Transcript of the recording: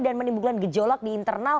dan menimbulkan gejolak di internal